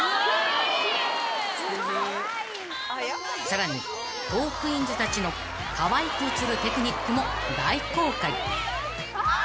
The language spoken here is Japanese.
［さらにトークィーンズたちのかわいく写るテクニックも大公開］